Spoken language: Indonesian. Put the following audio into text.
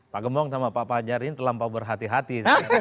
pak gembong sama pak fajar ini terlampau berhati hati